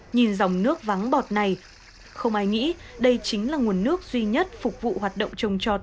nhìn dòng nước vắng bọt này không ai nghĩ đây chính là nguồn nước duy nhất phục vụ hoạt động trồng trọt